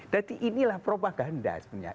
jadi inilah propaganda sebenarnya